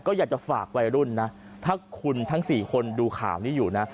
ก็อยากจะฝากวัยรุ่นนะถ้าคุณทั้ง๔คนดูข่าวนี้อยู่นะ